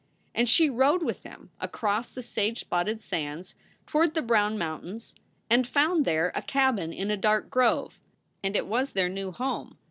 And she rode with him across the sage spotted sands, toward the brown mountains, and found there a cabin in a dark grove. And it was their new home.